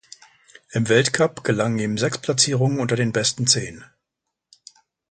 Im Weltcup gelangen ihm sechs Platzierungen unter den besten zehn.